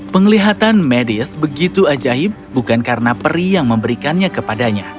penglihatan medis begitu ajaib bukan karena peri yang memberikannya kepadanya